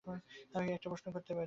আমি কি একটা প্রশ্ন করতে পারি?